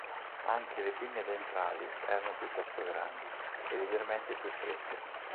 Anche le pinne ventrali erano piuttosto grandi, e leggermente più strette.